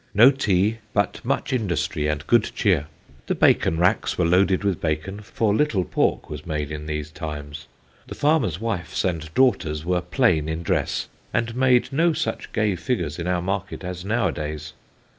No Tea, but much Industrey and good Cheer. The Bacon racks were loaded with Bacon, for little Porke was made in these times. The farmers' Wifes and Daughters were plain in Dress, and made no such gay figures in our Market as nowadays.